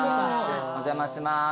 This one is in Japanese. お邪魔します。